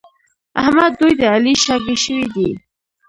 احمد دوی د علي شاګی شوي دي.